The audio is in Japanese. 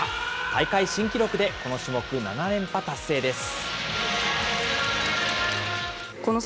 大会新記録でこの種目７連覇達成です。